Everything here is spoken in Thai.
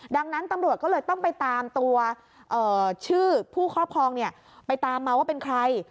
ดังนั้นตำรวจก็เลยต้องไปตามตัวชื่อผู้ครอบครองไปตามมาว่าเป็นใคร